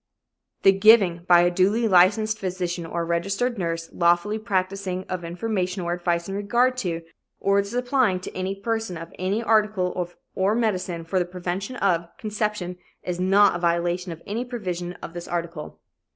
_The giving by a duly licensed physician or registered nurse lawfully practicing, of information or advice in regard to, or the supplying to any person of any article or medicine for the prevention of, conception is not a violation of any provision of this article.